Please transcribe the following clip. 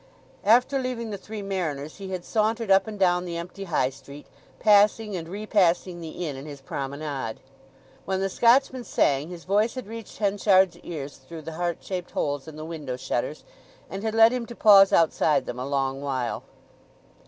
After leaving the Three Mariners he had sauntered up and down the empty High Street, passing and repassing the inn in his promenade. When the Scotchman sang his voice had reached Henchard's ears through the heart shaped holes in the window shutters, and had led him to pause outside them a long while.